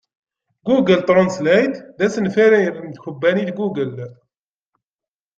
Google Translate d asenfaṛ n tkebbanit Google.